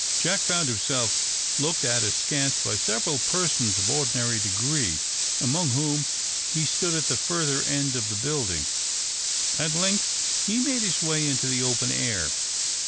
Jack found himself looked at askance by several persons of ordinary degree, among whom he stood at the farther end of the building. At length he made his way into the open air.